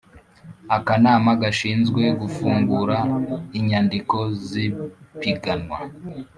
Akanama gashinzwe gufungura inyandiko z ipiganwa